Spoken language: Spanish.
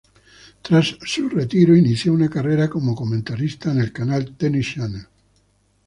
Tras su retiro, inició una carrera como comentarista en el canal Tennis Channel.